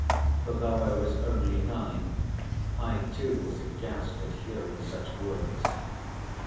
For though I was only nine, I too was aghast at hearing such words.